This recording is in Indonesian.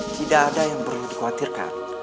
tidak ada yang perlu dikhawatirkan